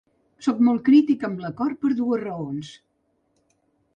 Sóc molt crític amb l’acord per dues raons.